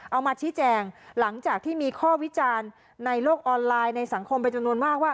เอามาชี้แจงหลังจากที่มีข้อวิจารณ์ในโลกออนไลน์ในสังคมเป็นจำนวนมากว่า